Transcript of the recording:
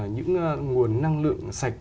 những nguồn năng lượng sạch